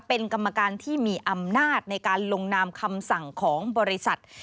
เป็นกรรมการที่มีอำนาจในการลงนามคำสั่งของบริษัท